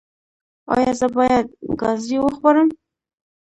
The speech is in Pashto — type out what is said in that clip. ایا زه باید ګازرې وخورم؟